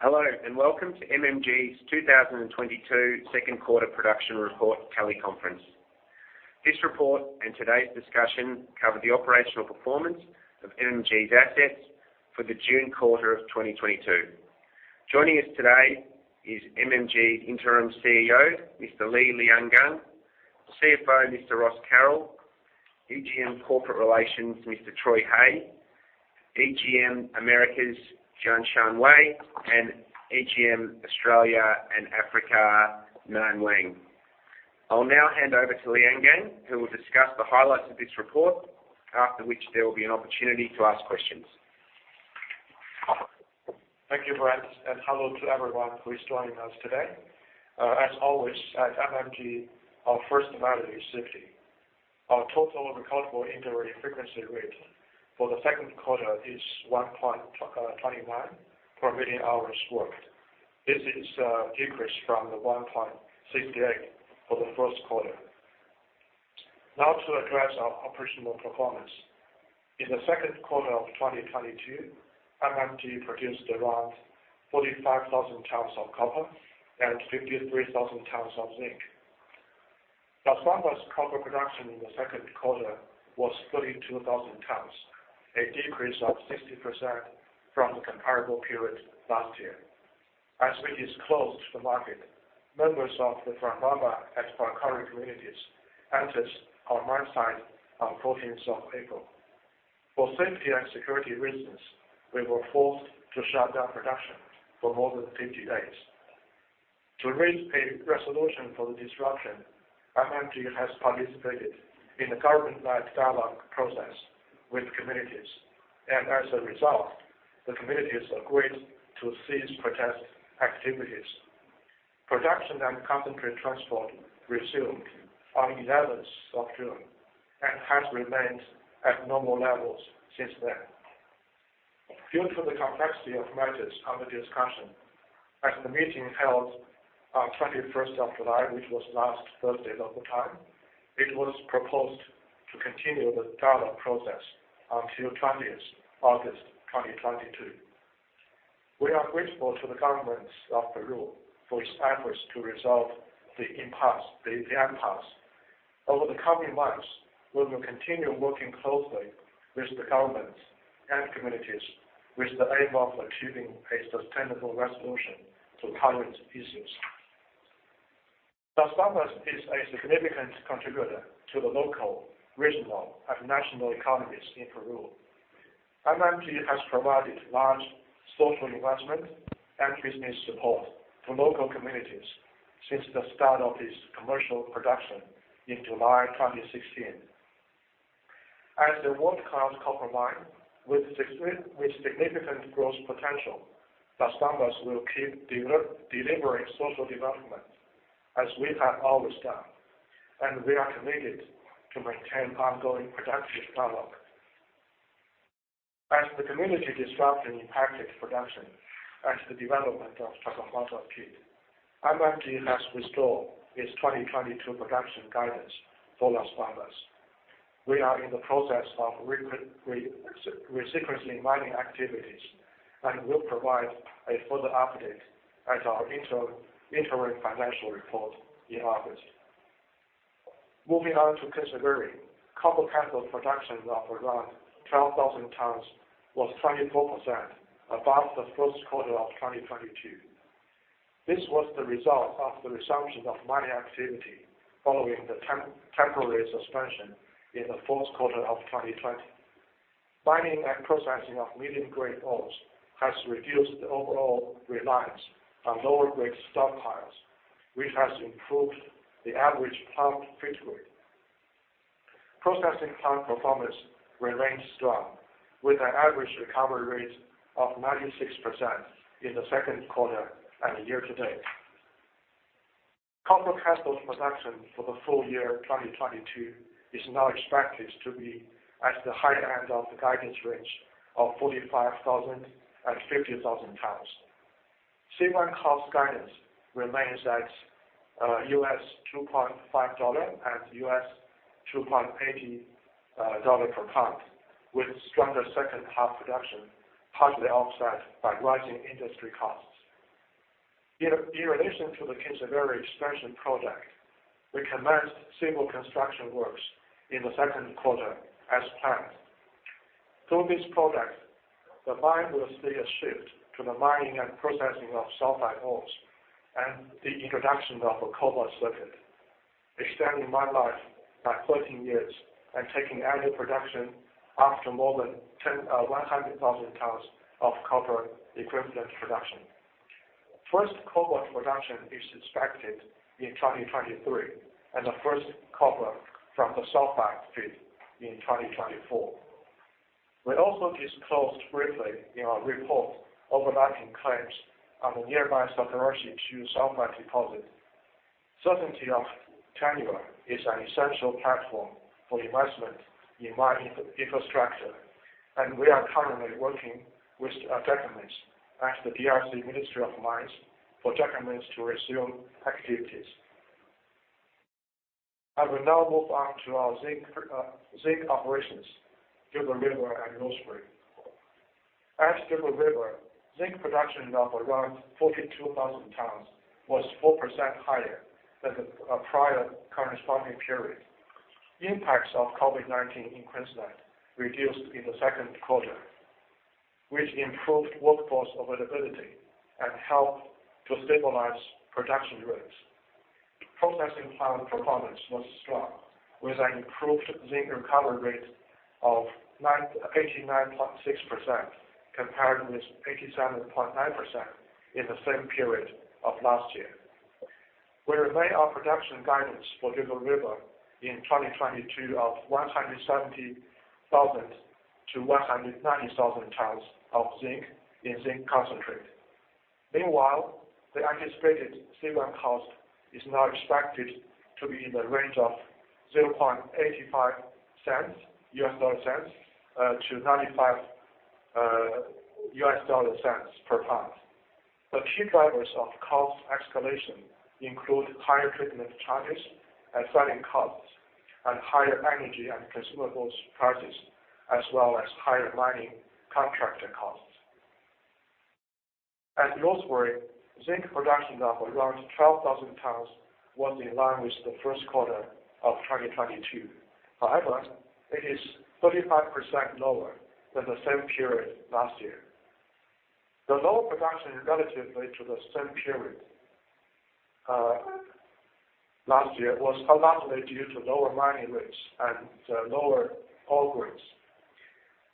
Hello, and welcome to MMG's 2022 second quarter production report teleconference. This report and today's discussion cover the operational performance of MMG's assets for the June quarter of 2022. Joining us today is MMG Interim CEO, Mr. Liangang Li, CFO, Mr. Ross Carroll, EGM Corporate Relations, Mr. Troy Hey, EGM Americas, Wei Jianxian, and EGM Australia and Africa, Nan Wang. I'll now hand over to Liangang, who will discuss the highlights of this report, after which there will be an opportunity to ask questions. Thank you, Brent, and hello to everyone who is joining us today. As always, at MMG, our first value is safety. Our total recordable injury frequency rate for the second quarter is 1.29 per million hours worked. This is a decrease from the 1.68 for the first quarter. Now to address our operational performance. In the second quarter of 2022, MMG produced around 45,000 tons of copper and 53,000 tons of zinc. Las Bambas copper production in the second quarter was 32,000 tons, a decrease of 60% from the comparable period last year. As we disclosed to the market, members of the Fuerabamba and Parccoray communities entered our mine site on the 14th of April. For safety and security reasons, we were forced to shut down production for more than 50 days. To reach a resolution for the disruption, MMG has participated in a government-led dialogue process with communities, and as a result, the communities agreed to cease protest activities. Production and concentrate transport resumed on 11th of June and has remained at normal levels since then. Due to the complexity of matters under discussion, at the meeting held on 21st of July, which was last Thursday local time, it was proposed to continue the dialogue process until 20th August 2022. We are grateful to the governments of Peru for its efforts to resolve the impasse. Over the coming months, we will continue working closely with the governments and communities with the aim of achieving a sustainable resolution to current issues. Las Bambas is a significant contributor to the local, regional, and national economies in Peru. MMG has provided large social investment and business support to local communities since the start of its commercial production in July 2016. As a world-class copper mine with significant growth potential, Las Bambas will keep delivering social development as we have always done, and we are committed to maintain ongoing productive dialogue. As the community disruption impacted production and the development of Chalcobamba pit, MMG has restored its 2022 production guidance for Las Bambas. We are in the process of resequencing mining activities and will provide a further update at our interim financial report in August. Moving on to Kinsevere. Copper cathode production of around 12,000 tons was 24% above the first quarter of 2022. This was the result of the resumption of mining activity following the temporary suspension in the fourth quarter of 2020. Mining and processing of medium-grade ores has reduced the overall reliance on lower-grade stockpiles, which has improved the average plant feed grade. Processing plant performance remained strong with an average recovery rate of 96% in the second quarter and the year to date. Copper cathode production for the full year 2022 is now expected to be at the high end of the guidance range of 45,000-50,000 tons. Same mine cost guidance remains at $2.5-$2.80 per ton, with stronger second half production partially offset by rising industry costs. In relation to the Kinsevere Expansion Project, we commenced civil construction works in the second quarter as planned. Through this project, the mine will see a shift to the mining and processing of sulfide ores and the introduction of a cobalt circuit, extending mine life by 13 years and taking annual production up to more than 100,000 tons of copper equivalent production. First cobalt production is expected in 2023, and the first copper from the sulfide pit in 2024. We also disclosed briefly in our report overlapping claims on the nearby Sokoroshe sulfide deposit. Certainty of tenure is an essential platform for investment in mine infrastructure, and we are currently working with our joint venture partners at the DRC Ministry of Mines for documents to resume activities. I will now move on to our zinc operations, Dugald River and Rosebery. At Dugald River, zinc production of around 42,000 tons was 4% higher than the prior corresponding period. Impacts of COVID-19 in Queensland reduced in the second quarter, which improved workforce availability and helped to stabilize production rates. Processing plant performance was strong, with an improved zinc recovery rate of 89.6% compared with 87.9% in the same period of last year. We maintain our production guidance for Dugald River in 2022 of 170,000-190,000 tons of zinc in zinc concentrate. Meanwhile, the anticipated C1 cost is now expected to be in the range of $0.85-$0.95 per ton. The key drivers of cost escalation include higher treatment charges and selling costs, and higher energy and consumables prices, as well as higher mining contractor costs. At Rosebery, zinc production of around 12,000 tons was in line with the first quarter of 2022. However, it is 35% lower than the same period last year. The lower production relatively to the same period last year was primarily due to lower mining rates and lower ore grades.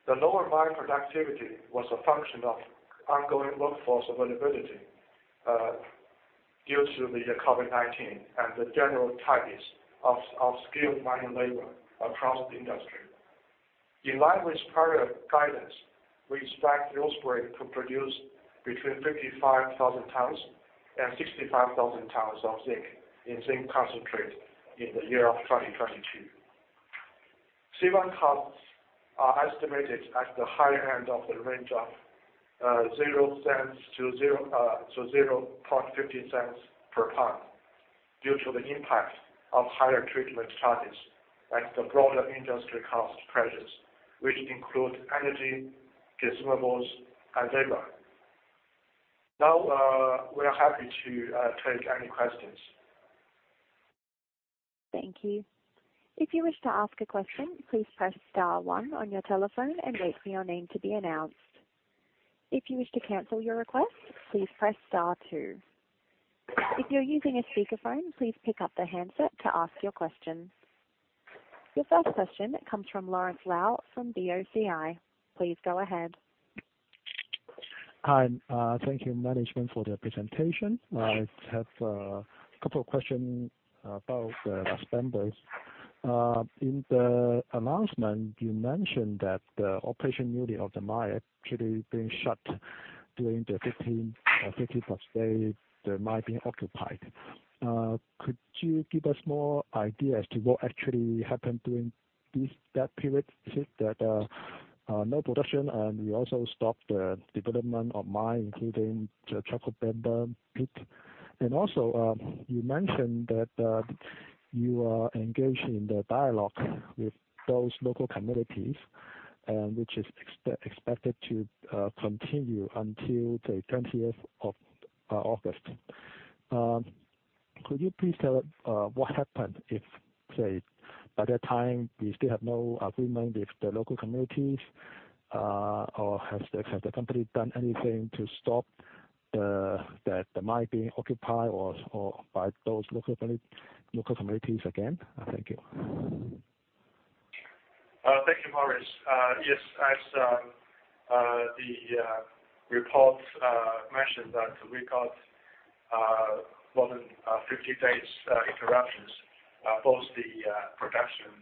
The lower mine productivity was a function of ongoing workforce availability due to the COVID-19 and the general tightness of skilled mining labor across the industry. In line with prior guidance, we expect Rosebery to produce between 55,000-65,000 tons of zinc in zinc concentrate in the year of 2022. C1 costs are estimated at the higher end of the range of $0-$0.50 per ton due to the impact of higher treatment charges and the broader industry cost pressures, which include energy, consumables, and labor. Now, we are happy to take any questions. Thank you. If you wish to ask a question, please press star one on your telephone and wait for your name to be announced. If you wish to cancel your request, please press star two. If you're using a speakerphone, please pick up the handset to ask your question. Your first question comes from Lawrence Lau from BOCI. Please go ahead. Hi, thank you management for the presentation. Yes. I have a couple of questions about Las Bambas. In the announcement, you mentioned that the operations of the mine nearly being shut during the 15-plus days the mine being occupied. Could you give us more of an idea as to what actually happened during that period with no production and you also stopped the development of the mine, including the Chalcobamba pit? Also, you mentioned that you are engaged in the dialogue with those local communities, and which is expected to continue until the twentieth of August. Could you please tell what happened if, say, by that time you still have no agreement with the local communities, or has the company done anything to stop the mine being occupied or by those local communities again? Thank you. Thank you, Lawrence. Yes, as the report mentioned that we got more than 50 days interruptions both the production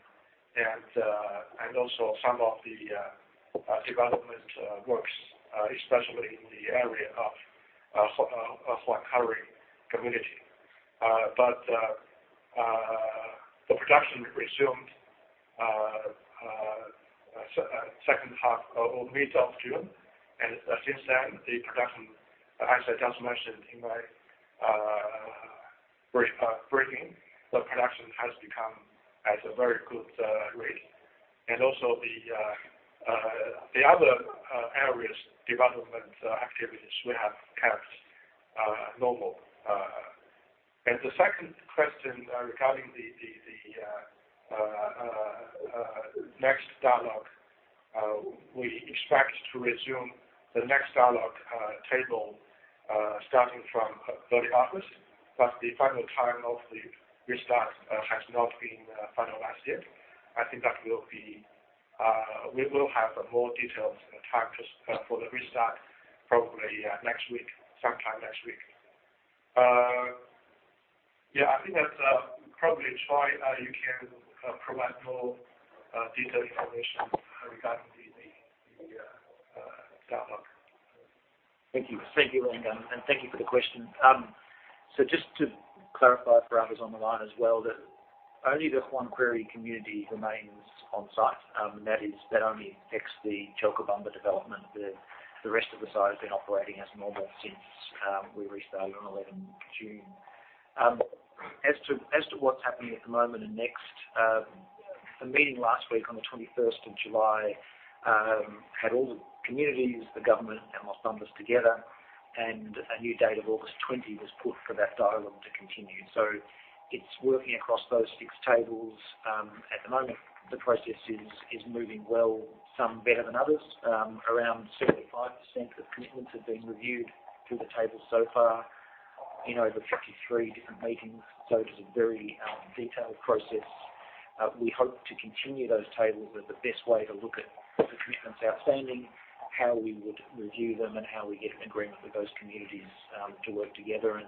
and also some of the development works especially in the area of Huancuire community. The production resumed second half of mid-June. Since then, the production, as I just mentioned in my brief briefing, the production has become at a very good rate. Also the other areas development activities we have kept normal. The second question, regarding the next dialogue, we expect to resume the next dialogue table starting from early August, but the final time of the restart has not been finalized yet. I think that we will have more detailed time just for the restart probably next week, sometime next week. Yeah, I think that's probably Troy, you can provide more detailed information regarding the dialogue. Thank you. Thank you, Liangang, and thank you for the question. Just to clarify for others on the line as well that only the Huancuire community remains on site, and that only affects the Chalcobamba development. The rest of the site has been operating as normal since we restarted on 11 June. As to what's happening at the moment and next, a meeting last week on 21 July had all the communities, the government and Las Bambas together, and a new date of 20 August was put for that dialogue to continue. It's working across those six tables. At the moment, the process is moving well, some better than others. Around 75% of commitments have been reviewed through the table so far in over 53 different meetings. It is a very detailed process. We hope to continue those talks as the best way to look at the commitments outstanding, how we would review them, and how we get an agreement with those communities to work together.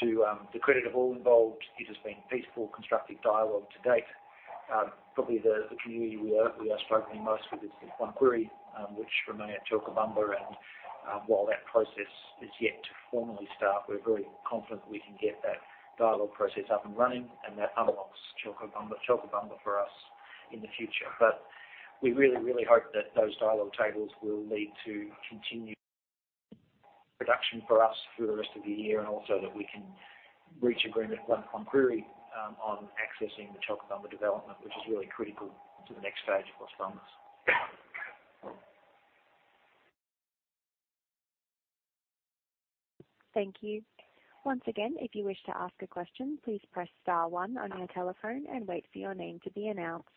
To the credit of all involved, it has been peaceful, constructive dialogue to date. Probably the community we are struggling most with is the Huancuire, which remain at Chalcobamba. While that process is yet to formally start, we're very confident we can get that dialogue process up and running, and that unlocks Chalcobamba for us in the future. We really, really hope that those dialogue tables will lead to continued production for us through the rest of the year, and also that we can reach agreement with Huancurie on accessing the Chalcobamba development, which is really critical to the next stage of Las Bambas. Thank you. Once again, if you wish to ask a question, please press star one on your telephone and wait for your name to be announced.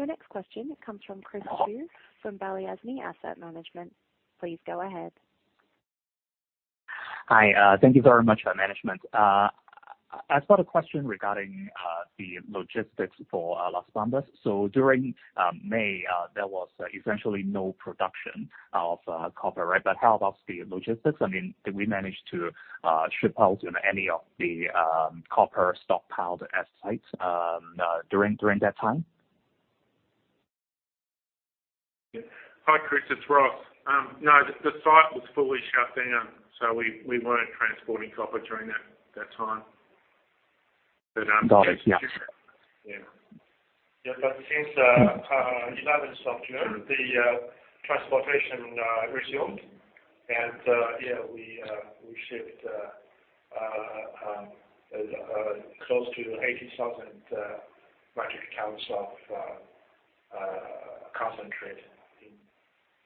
Your next question comes from Chris Xu from Balyasny Asset Management. Please go ahead. Hi. Thank you very much for management. I've got a question regarding the logistics for Las Bambas. During May, there was essentially no production of copper, right? How about the logistics? I mean, did we manage to ship out, you know, any of the copper stockpiled at site during that time? Hi, Chris. It's Ross. No, the site was fully shut down, so we weren't transporting copper during that time. Got it. Yeah. Yeah, since the 11th of June, the transportation resumed and we shipped close to 80,000 metric tons of concentrate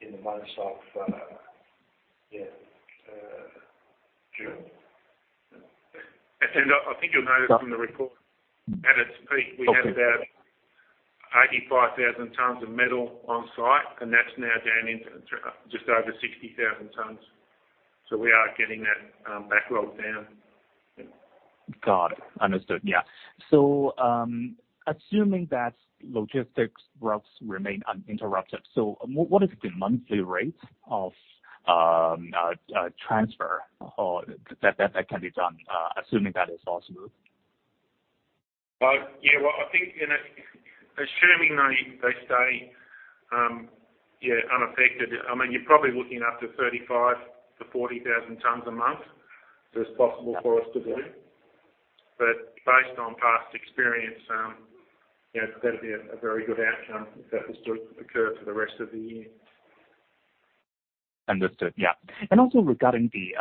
in the month of June. I think you'll notice from the report, at its peak, we had about 85,000 tons of metal on site, and that's now down to just over 60,000 tons. We are getting that backlog down. Got it. Understood. Yeah. Assuming that logistics routes remain uninterrupted, so what is the monthly rate of transfer or that can be done, assuming that is possible? Well, I think, you know, assuming they stay unaffected, I mean, you're probably looking up to 35,000-40,000 tons a month that is possible for us to do. Based on past experience, you know, that'd be a very good outcome if that was to occur for the rest of the year. Understood. Yeah. Also regarding the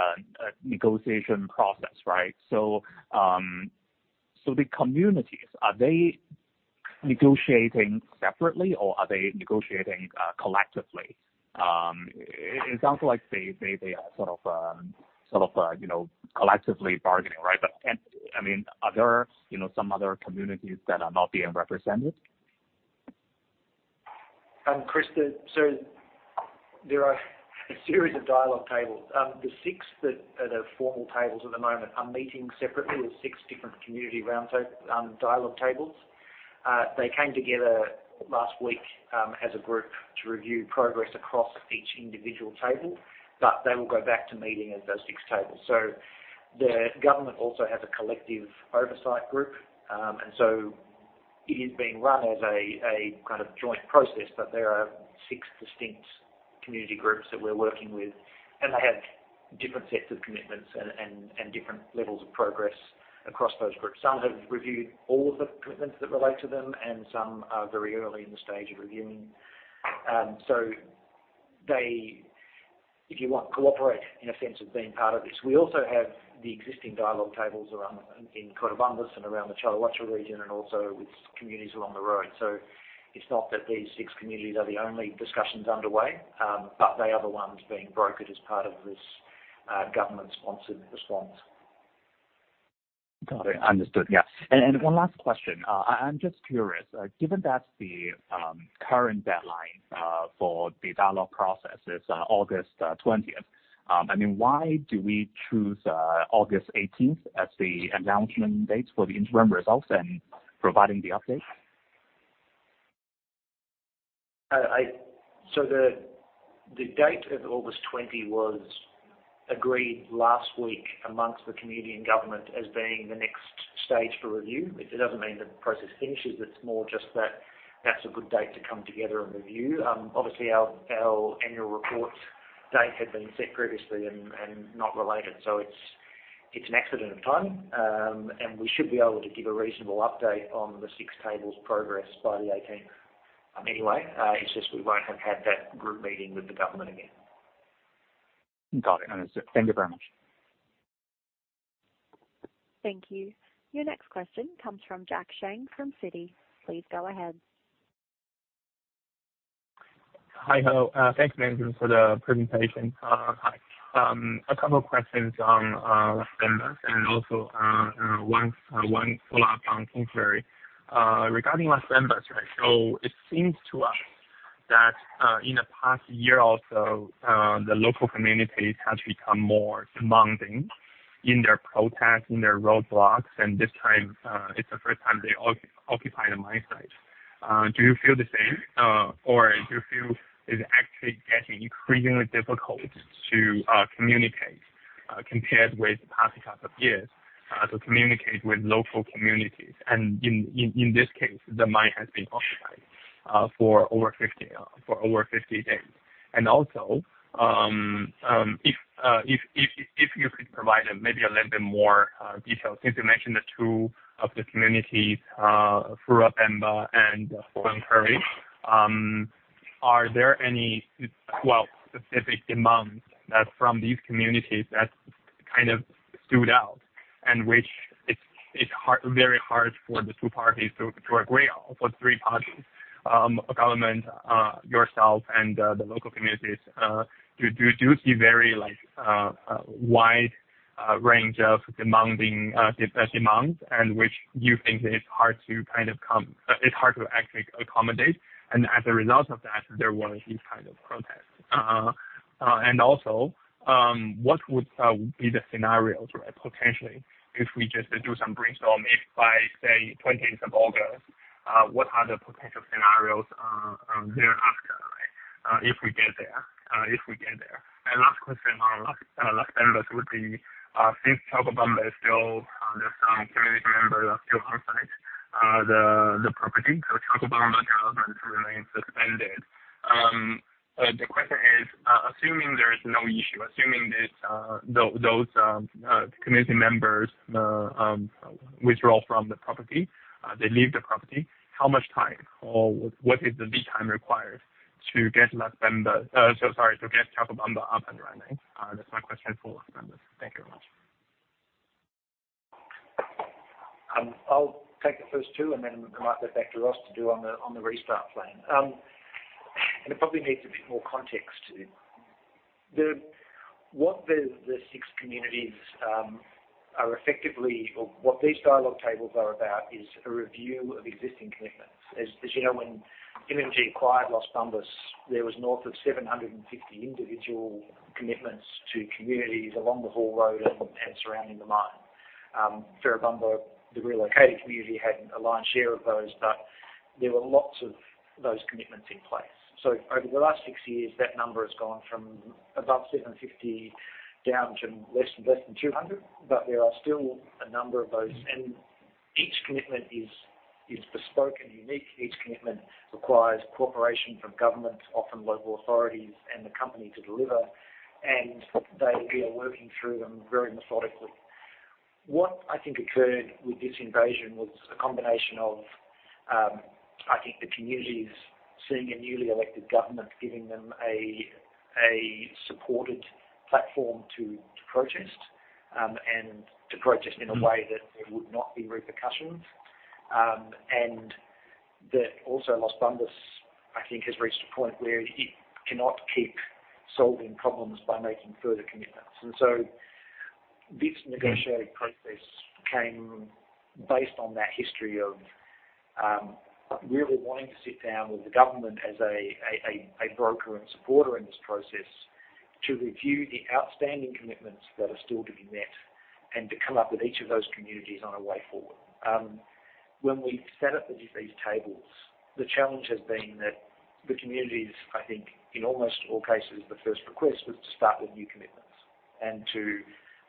negotiation process, right? So the communities, are they negotiating separately or are they negotiating collectively? It sounds like they are sort of you know, collectively bargaining, right? I mean, are there you know, some other communities that are not being represented? Chris, there are a series of dialogue tables. The six that are the formal tables at the moment are meeting separately. There's six different community dialogue tables. They came together last week as a group to review progress across each individual table, but they will go back to meeting as those six tables. The government also has a collective oversight group. It is being run as a kind of joint process, but there are six distinct community groups that we're working with, and they have different sets of commitments and different levels of progress across those groups. Some have reviewed all of the commitments that relate to them, and some are very early in the stage of reviewing. They, if you want, cooperate in a sense of being part of this. We also have the existing dialogue tables around, in Cotabambas and around the Chalcobamba region and also with communities along the road. It's not that these six communities are the only discussions underway, but they are the ones being brokered as part of this government-sponsored response. Got it. Understood. Yeah. One last question. I'm just curious. Given that the current deadline for the dialogue process is August twentieth, I mean, why do we choose August eighteenth as the announcement date for the interim results and providing the update? The date of August 20 was agreed last week among the community and government as being the next stage for review, which it doesn't mean the process finishes. It's more just that that's a good date to come together and review. Obviously our annual report date had been set previously and not related. It's an accident of timing. We should be able to give a reasonable update on the six tables progress by the 18th anyway. It's just we won't have had that group meeting with the government again. Got it. Understood. Thank you very much. Thank you. Your next question comes from Jack Shang from Citi. Please go ahead. Hello. Thanks, management, for the presentation. A couple of questions on Las Bambas and also one follow-up on Quanziri. Regarding Las Bambas, right, so it seems to us that in the past year or so the local communities has become more demanding in their protests, in their roadblocks, and this time it's the first time they occupy the mine site. Do you feel the same? Or do you feel it's actually getting increasingly difficult to communicate compared with the past couple of years to communicate with local communities? In this case, the mine has been occupied for over 50 days. If you could provide maybe a little bit more detail since you mentioned the two of the communities, Fuerabamba and Huancuire, are there any, well, specific demands from these communities that kind of stood out and which it's very hard for the two parties to agree on, for three parties, government, yourself and the local communities, do you see very like wide range of demands and which you think is hard to kind of come. It's hard to actually accommodate, and as a result of that, there were these kind of protests. Also, what would be the scenarios, right, potentially if we just do some brainstorm, if by, say, 20 days of August, what are the potential scenarios thereafter, right, if we get there? Last question on Las Bambas would be, since Chalcobamba is still, there's some community members are still on site, the property. So Chalcobamba development remains suspended. The question is, assuming there is no issue, assuming this, those community members withdraw from the property, they leave the property, how much time or what is the lead time required to get Las Bambas, so sorry, to get Chalcobamba up and running? That's my question for Las Bambas. Thank you very much. I'll take the first two, and then I'm gonna come back to Ross to do on the restart plan. It probably needs a bit more context to it. What the six communities are effectively or what these dialogue tables are about is a review of existing commitments. As you know, when MMG acquired Las Bambas, there was north of 750 individual commitments to communities along the haul road and surrounding the mine. Fuerabamba, the relocating community, had a lion's share of those, but there were lots of those commitments in place. Over the last six years, that number has gone from above 750 down to less than 200, but there are still a number of those. Each commitment is bespoke and unique. Each commitment requires cooperation from government, often local authorities and the company to deliver, and they are working through them very methodically. What I think occurred with this invasion was a combination of, I think the communities seeing a newly elected government giving them a supported platform to protest, and to protest in a way that there would not be repercussions. That also Las Bambas, I think, has reached a point where it cannot keep solving problems by making further commitments. This negotiating process came based on that history of, really wanting to sit down with the government as a broker and supporter in this process to review the outstanding commitments that are still to be met and to come up with each of those communities on a way forward. When we set up these tables, the challenge has been that the communities, I think in almost all cases, the first request was to start with new commitments and to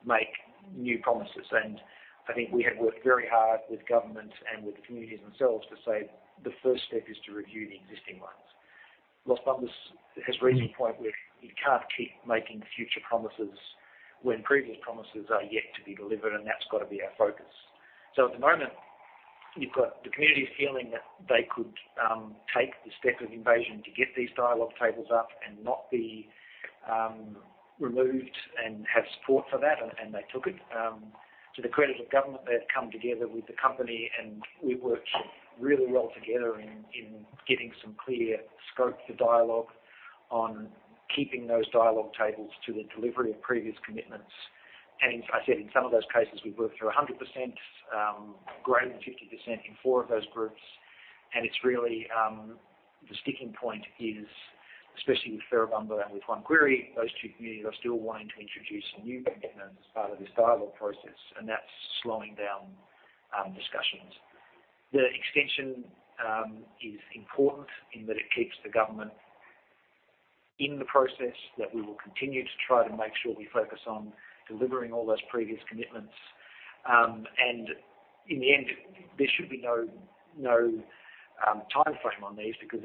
make new promises. I think we have worked very hard with government and with the communities themselves to say the first step is to review the existing ones. Las Bambas has reached a point where you can't keep making future promises when previous promises are yet to be delivered, and that's got to be our focus. At the moment, you've got the communities feeling that they could take the step of invasion to get these dialogue tables up and not be removed and have support for that, and they took it. To the credit of government, they've come together with the company, and we worked really well together in getting some clear scope for dialogue on keeping those dialogue tables to the delivery of previous commitments. I said in some of those cases, we've worked through 100%, greater than 50% in four of those groups. It's really the sticking point is especially with Fuerabamba and with Huancuire, those two communities are still wanting to introduce new commitments as part of this dialogue process, and that's slowing down discussions. The extension is important in that it keeps the government in the process, that we will continue to try to make sure we focus on delivering all those previous commitments. In the end, there should be no timeframe on these because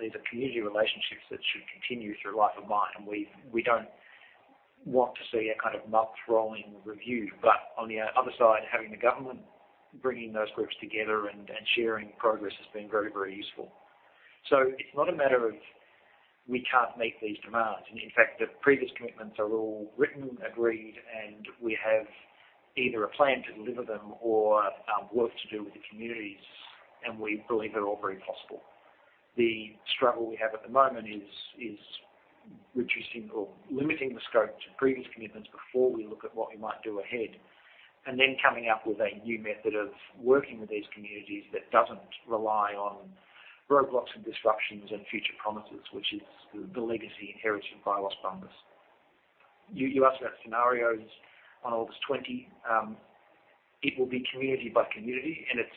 these are community relationships that should continue through life of mine. We don't want to see a kind of monthly rolling review. On the other side, having the government bringing those groups together and sharing progress has been very useful. It's not a matter of we can't meet these demands. In fact, the previous commitments are all written, agreed, and we have either a plan to deliver them or work to do with the communities, and we believe they're all very possible. The struggle we have at the moment is reducing or limiting the scope to previous commitments before we look at what we might do ahead, and then coming up with a new method of working with these communities that doesn't rely on roadblocks and disruptions and future promises, which is the legacy inherited by Las Bambas. You asked about scenarios on August twenty. It will be community by community, and it's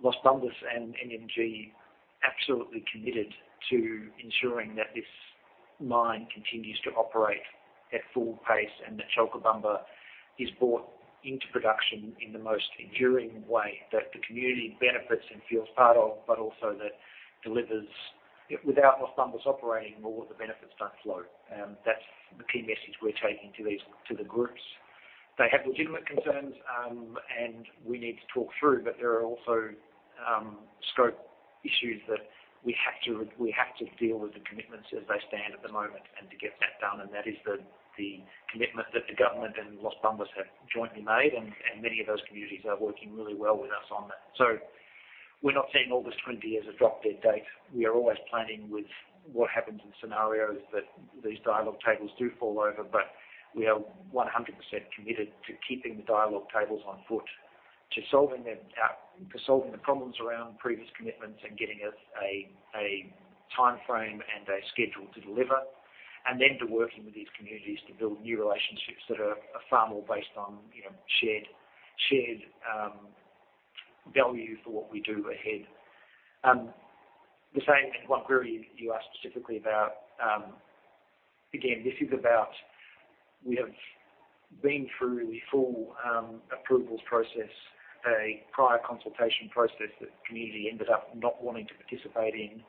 Las Bambas and MMG absolutely committed to ensuring that this mine continues to operate at full pace and that Chalcobamba is brought into production in the most enduring way that the community benefits and feels part of, but also that delivers. Without Las Bambas operating, all of the benefits don't flow. That's the key message we're taking to the groups. They have legitimate concerns, and we need to talk through, but there are also scope issues that we have to deal with the commitments as they stand at the moment and to get that done, and that is the commitment that the government and Las Bambas have jointly made, and many of those communities are working really well with us on that. We're not seeing August 20 as a drop-dead date. We are always planning with what happens in scenarios that these dialogue tables do fall over, but we are 100% committed to keeping the dialogue tables on foot, to solving the problems around previous commitments and getting us a timeframe and a schedule to deliver. To working with these communities to build new relationships that are far more based on, you know, shared value for what we do ahead. The same inquiry you asked specifically about, again, this is about we have been through the full approvals process, a prior consultation process that the community ended up not wanting to participate in,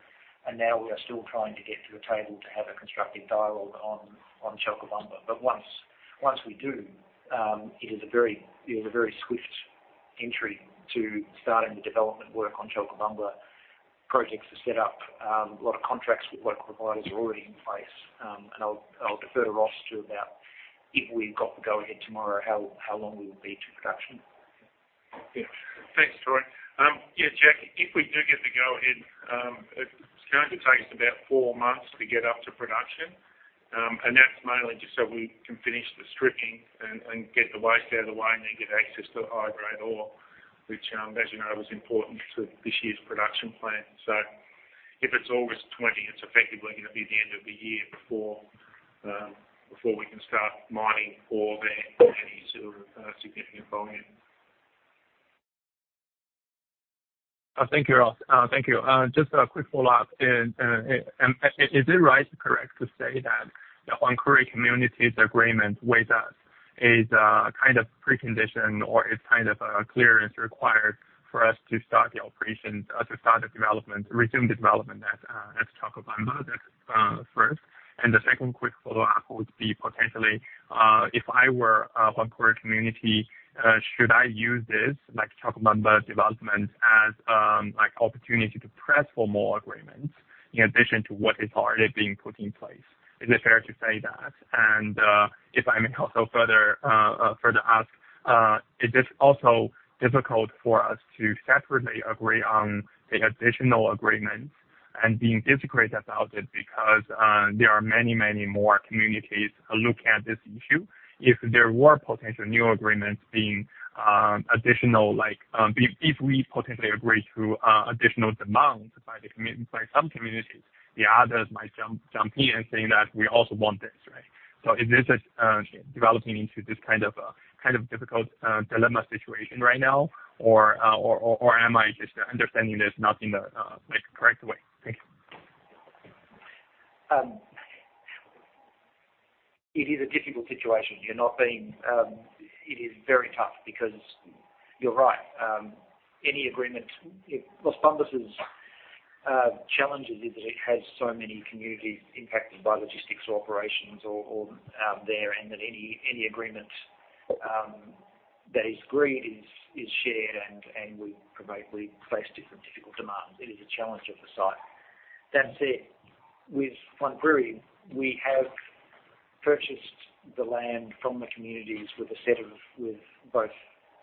and now we are still trying to get to the table to have a constructive dialogue on Chalcobamba. Once we do, it is a very swift entry to starting the development work on Chalcobamba. Projects are set up. A lot of contracts with work providers are already in place. I'll defer to Ross about if we've got the go-ahead tomorrow, how long we will be to production. Yeah. Thanks, Troy. Yeah, Jack, if we do get the go-ahead, it's going to take us about four months to get up to production. And that's mainly just so we can finish the stripping and get the waste out of the way and then get access to high-grade ore, which, as you know, was important to this year's production plan. If it's August 20, it's effectively gonna be the end of the year before we can start mining ore there in any sort of significant volume. Thank you, Ross. Thank you. Just a quick follow-up. Is it right or correct to say that the Huancuire community's agreement with us is a kind of precondition or is kind of a clearance required for us to start the operation, to start the development, resume the development at Chalcobamba? That's first. The second quick follow-up would be potentially, if I were Huancuire community, should I use this, like Chalcobamba development as, like opportunity to press for more agreements in addition to what is already being put in place? Is it fair to say that? If I may also further ask, is this also difficult for us to separately agree on the additional agreements and being discreet about it because there are many more communities looking at this issue? If there were potential new agreements being additional like if we potentially agree to additional demands by some communities, the others might jump in saying that we also want this, right? Is this developing into this kind of difficult dilemma situation right now or am I just understanding this not in the like correct way? Thank you. It is a difficult situation. It is very tough because you're right. Any agreements Las Bambas's challenge is that it has so many communities impacted by logistics operations or there, and that any agreement that is agreed is shared and we face different difficult demands. It is a challenge of the site. That said, with Huancuire, we have purchased the land from the communities with a set of with both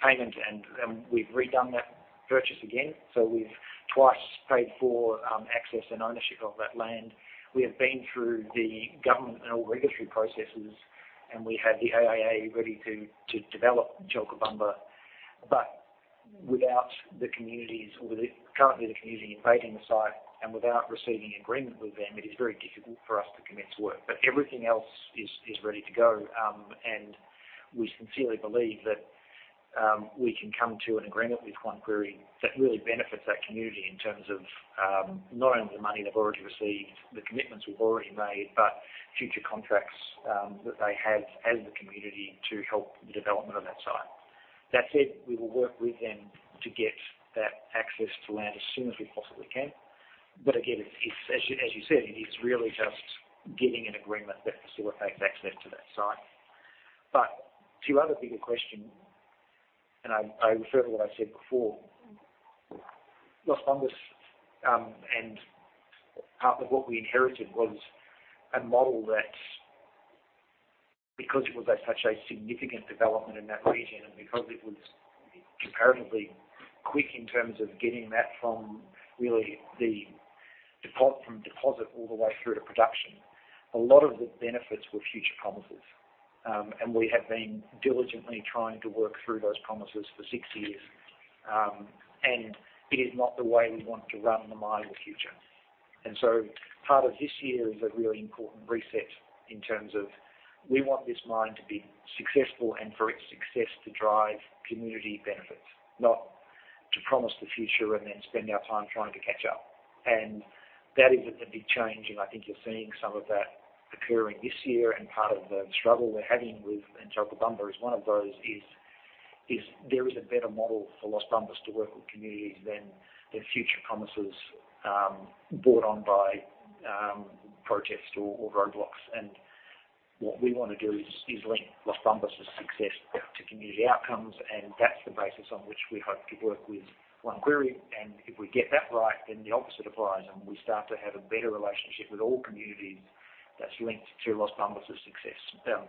payment and we've redone that purchase again. We've twice paid for access and ownership of that land. We have been through the government and all regulatory processes, and we have the EIA ready to develop Chalcobamba. Without the communities, or with the community currently invading the site and without receiving agreement with them, it is very difficult for us to commence work. Everything else is ready to go. We sincerely believe that we can come to an agreement with Huancuire that really benefits that community in terms of not only the money they've already received, the commitments we've already made, but future contracts that they have as the community to help the development of that site. That said, we will work with them to get that access to land as soon as we possibly can. Again, it's as you said, it is really just getting an agreement that facilitates access to that site. To your other bigger question. I refer to what I said before. Las Bambas, part of what we inherited was a model that because it was at such a significant development in that region and because it was comparatively quick in terms of getting that from really the deposit all the way through to production, a lot of the benefits were future promises. We have been diligently trying to work through those promises for six years. It is not the way we want to run the mine in the future. Part of this year is a really important reset in terms of we want this mine to be successful and for its success to drive community benefits, not to promise the future and then spend our time trying to catch up. That is a big change, and I think you're seeing some of that occurring this year. Part of the struggle we're having with Fuerabamba is one of those, there is a better model for Las Bambas to work with communities than future promises brought on by protests or roadblocks. What we wanna do is link Las Bambas' success to community outcomes, and that's the basis on which we hope to work with Huancuire. If we get that right, then the opposite applies, and we start to have a better relationship with all communities that's linked to Las Bambas' success.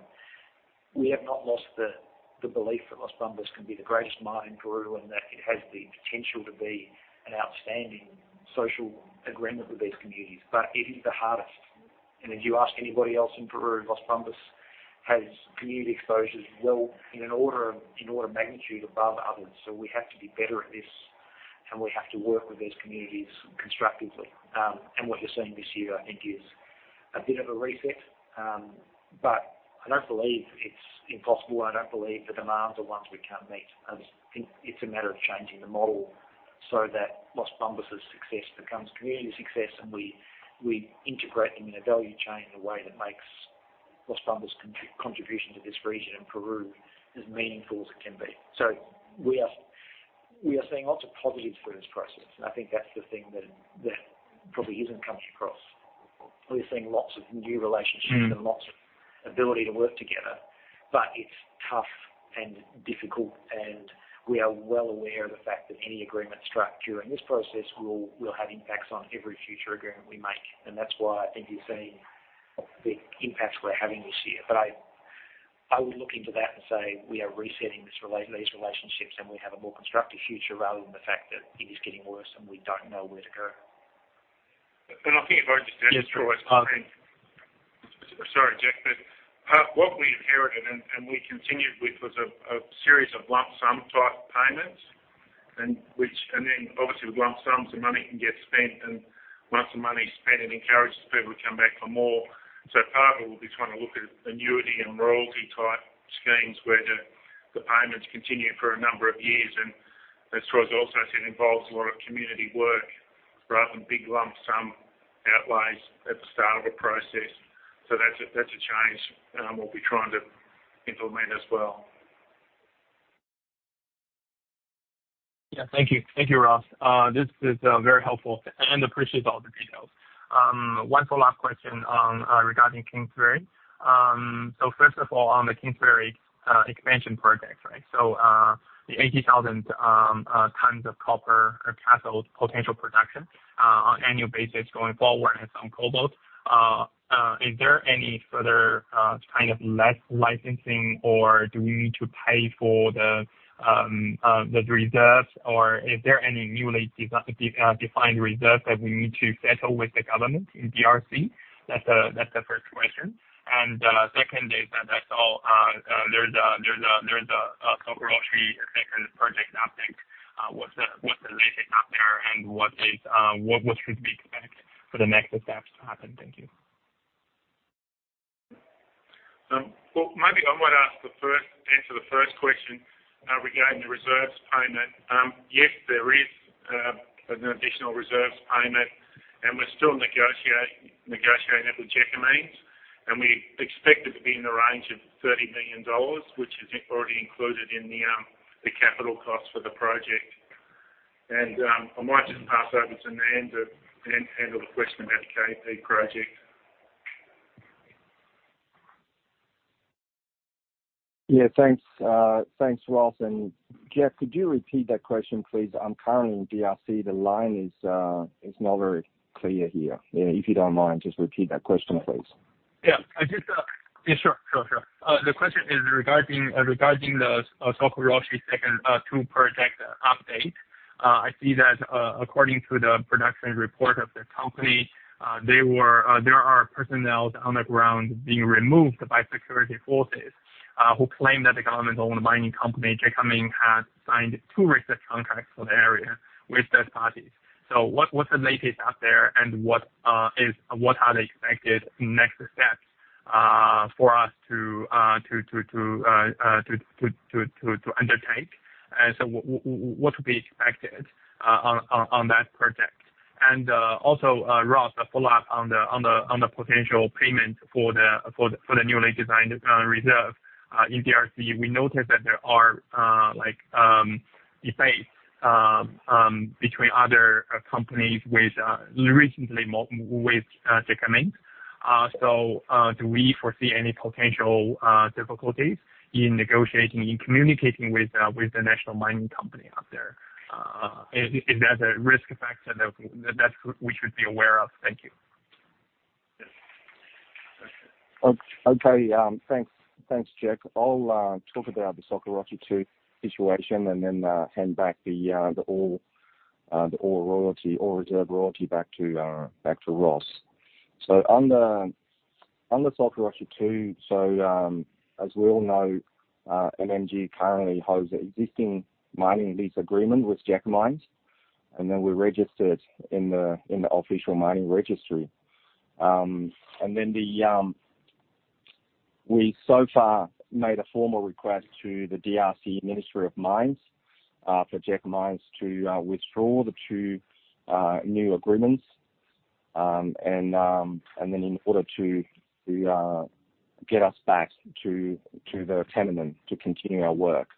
We have not lost the belief that Las Bambas can be the greatest mine in Peru, and that it has the potential to be an outstanding social agreement with these communities. It is the hardest. If you ask anybody else in Peru, Las Bambas has community exposures well in order of magnitude above others. We have to be better at this, and we have to work with these communities constructively. What you're seeing this year, I think, is a bit of a reset. I don't believe it's impossible. I don't believe the demands are ones we can't meet. I just think it's a matter of changing the model so that Las Bambas' success becomes community success, and we integrate them in a value chain in a way that makes Las Bambas' contribution to this region in Peru as meaningful as it can be. We are seeing lots of positives through this process. I think that's the thing that probably isn't coming across. We're seeing lots of new relationships. Mm-hmm. lots of ability to work together. It's tough and difficult, and we are well aware of the fact that any agreement struck during this process will have impacts on every future agreement we make. That's why I think you're seeing the impacts we're having this year. I would look into that and say, we are resetting these relationships, and we have a more constructive future rather than the fact that it is getting worse and we don't know where to go. I think if I just add to what Troy said. Yes, please. Pardon. Sorry, Jack, but what we inherited and we continued with was a series of lump sum type payments. Obviously with lump sums, the money can get spent, and once the money's spent it encourages people to come back for more. Part of it will be trying to look at annuity and royalty type schemes where the payments continue for a number of years. As Troy also said, involves a lot of community work rather than big lump sum outlays at the start of a process. That's a change we'll be trying to implement as well. Yeah. Thank you. Thank you, Ross. This is very helpful and appreciate all the details. One follow-up question regarding Kinsevere. First of all, on the Kinsevere expansion project, right? The 80,000 tons of copper cathode potential production on annual basis going forward and some cobalt. Is there any further kind of lease licensing or do we need to pay for the reserves or is there any newly defined reserves that we need to settle with the government in DRC? That's the first question. Second is that I saw there's a Sokoroshe II project update. What's the latest out there, and what should we expect for the next steps to happen? Thank you. Answer the first question regarding the reserves payment. Yes, there is an additional reserves payment, and we're still negotiating it with Gécamines. We expect it to be in the range of $30 million, which is already included in the capital cost for the project. I might just pass over to Nan to handle the question about Kinsevere project. Yeah. Thanks. Thanks, Ross. Jack, could you repeat that question, please? I'm currently in DRC. The line is not very clear here. Yeah, if you don't mind, just repeat that question, please. Yeah. I just... Yeah, sure, sure. The question is regarding the Sokoroshe II project update. I see that according to the production report of the company, there are personnel on the ground being removed by security forces who claim that the government-owned mining company, Gécamines, has signed two recent contracts for the area with those parties. What is the latest out there, and what are the expected next steps for us to undertake? What should be expected on that project? Also, Ross, a follow-up on the potential payment for the newly designed reserve in DRC. We noticed that there are like debates between other companies with recently with Gécamines. Do we foresee any potential difficulties in negotiating, in communicating with the national mining company out there? Is that a risk factor that we should be aware of? Thank you. Okay. Thanks, Jack. I'll talk about the Sokoroshe II situation and then hand it back to Ross. On the Sokoroshe II, as we all know, MMG currently holds the existing mining lease agreement with Gécamines, and then we registered in the official mining registry. We so far made a formal request to the DRC Ministry of Mines for Gécamines to withdraw the two new agreements, and then in order to get us back to the tenement to continue our work.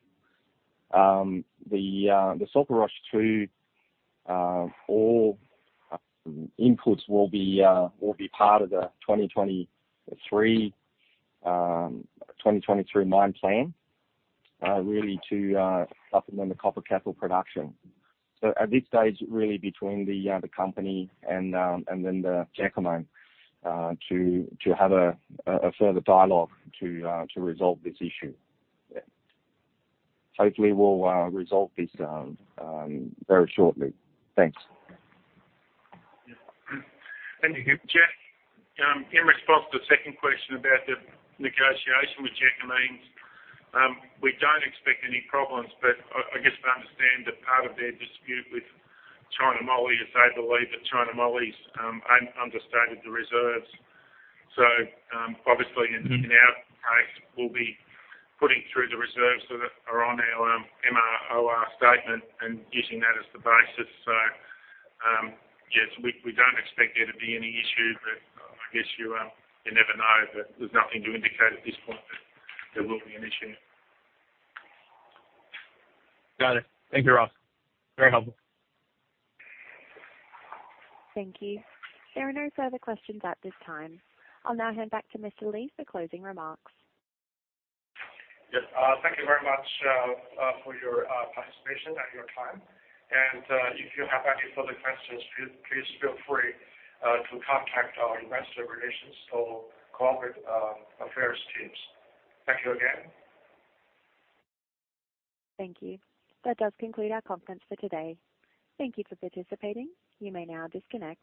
The Sokoroshe II ore inputs will be part of the 2023 mine plan, really to supplement the copper cathode production. At this stage, really between the company and the Gécamines, to have a further dialogue to resolve this issue. Yeah. Hopefully, we'll resolve this very shortly. Thanks. Thank you. Jack, in response to the second question about the negotiation with Gécamines. We don't expect any problems, but I guess to understand that part of their dispute with China Moly is they believe that China Moly's understated the reserves. Obviously in our case, we'll be putting through the reserves that are on our MROR statement and using that as the basis. Yes, we don't expect there to be any issue, but I guess you never know, but there's nothing to indicate at this point that there will be an issue. Got it. Thank you, Ross. Very helpful. Thank you. There are no further questions at this time. I'll now hand back to Mr. Li for closing remarks. Yes. Thank you very much for your participation and your time. If you have any further questions, please feel free to contact our investor relations or corporate affairs teams. Thank you again. Thank you. That does conclude our conference for today. Thank you for participating. You may now disconnect.